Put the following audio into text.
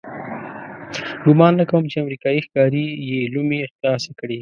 ګمان نه کوم چې امریکایي ښکاري یې لومې خلاصې کړي.